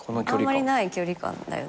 あんまりない距離感だよね。